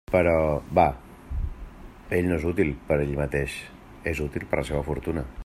Però, bah, ell no és útil per ell mateix, és útil per la seua fortuna.